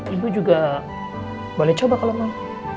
ibu juga boleh coba kalau mau